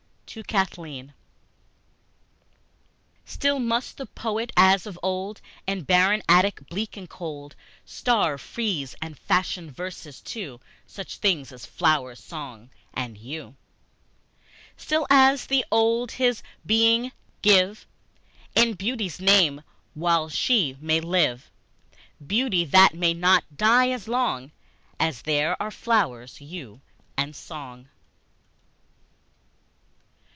To Kathleen STILL must the poet as of old, In barren attic bleak and cold, Starve, freeze, and fashion verses to Such things as flowers and song and you; Still as of old his being give In Beauty's name, while she may live, Beauty that may not die as long As there are flowers and you and song.